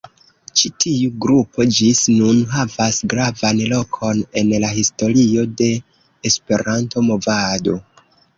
Ĉi tiu grupo ĝis nun havas gravan lokon en la historio de Esperanto-movado.